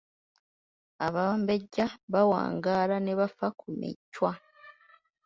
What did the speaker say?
Abambejja baawangaala ne bafa ku Michwa.